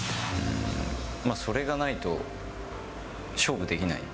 それがないと勝負できない。